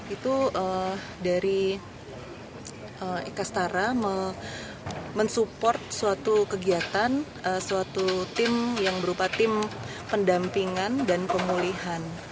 itu dari ikastara mensupport suatu kegiatan suatu tim yang berupa tim pendampingan dan pemulihan